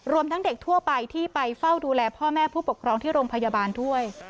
ทั้งเด็กทั่วไปที่ไปเฝ้าดูแลพ่อแม่ผู้ปกครองที่โรงพยาบาลด้วย